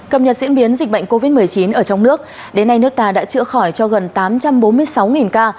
cập nhật diễn biến dịch bệnh covid một mươi chín ở trong nước đến nay nước ta đã chữa khỏi cho gần tám trăm bốn mươi sáu ca